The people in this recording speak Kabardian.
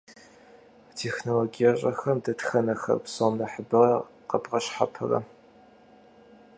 Технологиещӏэхэм дэтхэнэхэр псом нэхъыбэрэ къэбгъэщхьэпэрэ?